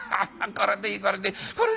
これでいいこれで。